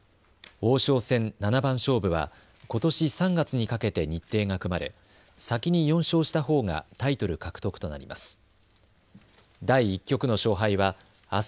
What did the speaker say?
王将戦七番勝負はことし３月にかけて日程が組まれ先に４勝したほうがタイトル獲得となります。